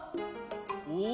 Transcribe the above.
お。